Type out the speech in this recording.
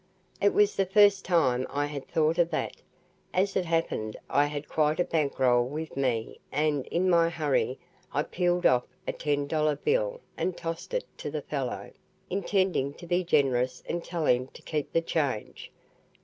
It was the first time I had thought of that. As it happened, I had quite a bankroll with me and, in my hurry, I peeled off a ten dollar bill and tossed it to the fellow, intending to be generous and tell him to keep the change.